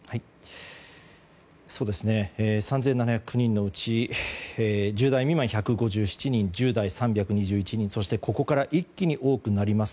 ３７０９人のうち１０代未満が１５７人１０代、３２１人そしてここから一気に多くなります。